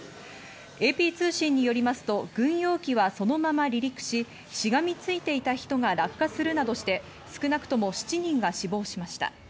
ＡＰ通信によりますと軍用機はそのまま離陸し、しがみついていた人が落下するなどして少なくとも７人が死亡しました。